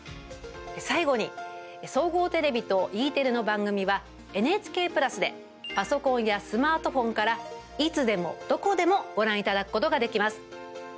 最後に総合テレビとＥテレの番組はＮＨＫプラスでパソコンやスマートフォンからいつでもどこでもご覧いただくことができます。